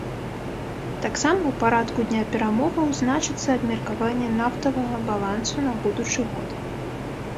Таксама ў парадку дня перамоваў значыцца абмеркаванне нафтавага балансу на будучы год.